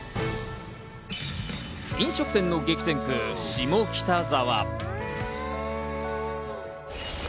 飲食店の激戦区・下北沢。